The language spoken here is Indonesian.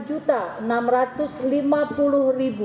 atau empat puluh empat enam ratus lima puluh dua ratus tiga puluh sembilan